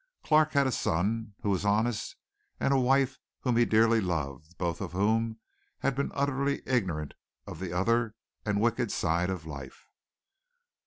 Clark had a son who was honest and a wife whom he dearly loved, both of whom had been utterly ignorant of the other and wicked side of life.